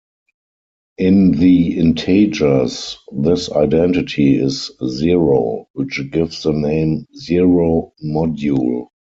In the integers, this identity is zero, which gives the name "zero module".